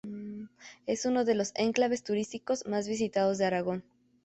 Es uno de los enclaves turísticos más visitados de Aragón.